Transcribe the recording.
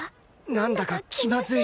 なんだか気まずい